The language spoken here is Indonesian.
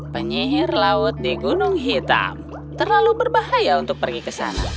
penyihir laut di gunung hitam terlalu berbahaya untuk pergi ke sana